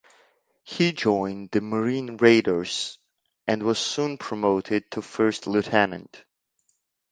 He joined the Marine Raiders and was soon promoted to First Lieutenant.